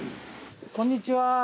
こんにちは。